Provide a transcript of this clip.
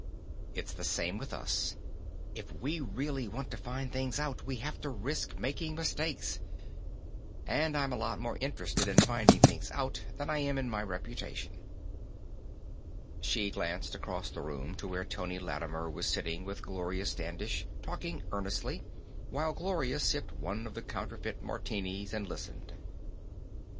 It's the same with us. If we really want to find things out, we have to risk making mistakes. And I'm a lot more interested in finding things out than I am in my reputation." She glanced across the room, to where Tony Lattimer was sitting with Gloria Standish, talking earnestly, while Gloria sipped one of the counterfeit martinis and listened.